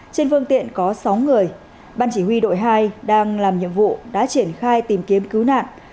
trên phương tiện có sáu người ban chỉ huy đội hai đang làm nhiệm vụ đã triển khai tìm kiếm cứu nạn